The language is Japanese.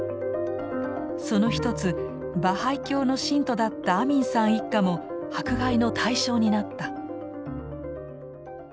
その一つバハイ教の信徒だったアミンさん一家も迫害の対象になった。